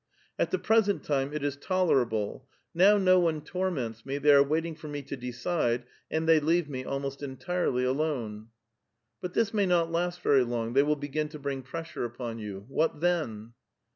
" At the present time it is tolerable. Now no one torments me ; they are waiting for me to decide and they leave me almost entirely alone. "" But this may not last very long ; they will begin to bring pressure ui^ou you ; what then?"